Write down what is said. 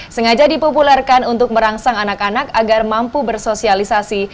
sengaja dipopulerkan untuk merangsang anak anak agar mampu bersosialisasi